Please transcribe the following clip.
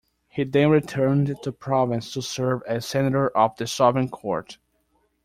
He then returned to Provence to serve as senator of the sovereign court.